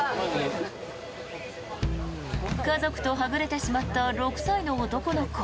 家族とはぐれてしまった６歳の男の子。